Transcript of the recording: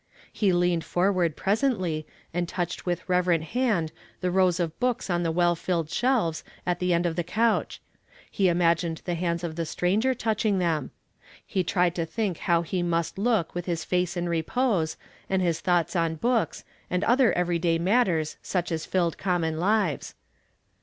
He leaned forward presently, and touched with reve rent hand the rows of books on the well filled shelves at the end of the couch ; he imagined the hands of the stranger touching them ; he tried to think how he must look with his face in repose, and his thoughts on books, and other every day matters such as filled common lives.